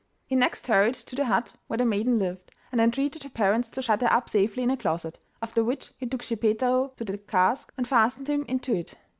He next hurried to the hut where the maiden lived, and entreated her parents to shut her up safely in a closet, after which he took Schippeitaro to the cask, and fastened him into it.